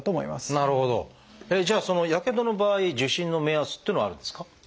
じゃあやけどの場合受診の目安っていうのはあるんですか？